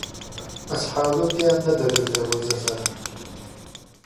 ئەسحابە پێیان نەدەبردەوە زەفەرە